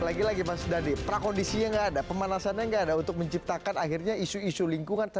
lagi lagi mas dandi prakondisinya nggak ada pemanasannya nggak ada untuk menciptakan akhirnya isu isu lingkungan